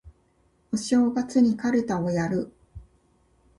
お正月にかるたをやる